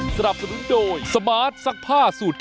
สวัสดีค่ะข้าวใส่ไข่สด